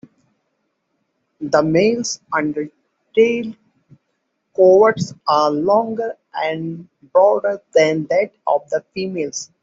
The males' under tail coverts are longer and broader than that of the females.